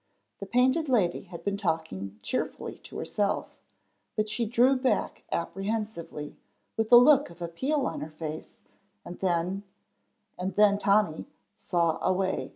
The Painted Lady had been talking cheerfully to herself, but she drew back apprehensively, with a look of appeal on her face, and then and then Tommy "saw a way."